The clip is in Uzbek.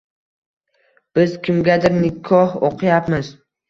– Biz kimgadir nikoh o‘qiyapmiz